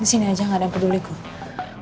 disini aja gak ada yang peduli gue